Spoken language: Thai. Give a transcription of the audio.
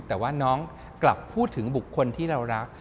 แต่ว่าน้องกลับพูดถึงบุคคลที่เรารัก